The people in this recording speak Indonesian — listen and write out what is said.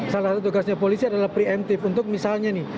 salah satu tugasnya polisi adalah preemptif untuk misalnya nih